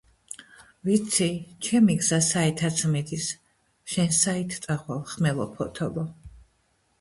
ვიცი, ჩემი გზა საითაც მიდის, შენ საით წახვალ, ხმელო ფოთოლო!